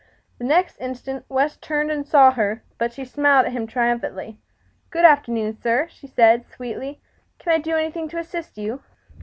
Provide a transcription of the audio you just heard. The next instant West turned and saw her, but she smiled at him triumphantly. "Good afternoon, sir," said the girl, sweetly; "can I do anything to assist you?"